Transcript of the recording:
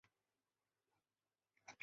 元代废湖阳县入泌阳县仍属唐州。